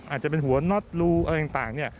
อาจจะเป็นหัวน็อตรูอย่างต่าง